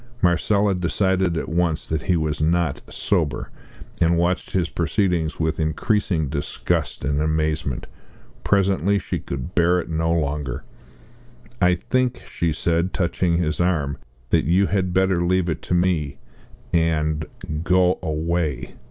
Marcella decided at once that he was not sober, and watched his proceedings with increasing disgust and amazement. Presently she could bear it no longer. "I think," she said, touching his arm, "that you had better leave it to me and go away!"